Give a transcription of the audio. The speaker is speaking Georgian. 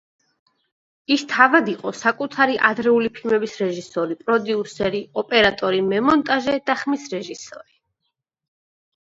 ის თავად იყო საკუთარი ადრეული ფილმების რეჟისორი, პროდიუსერი, ოპერატორი, მემონტაჟე და ხმის რეჟისორი.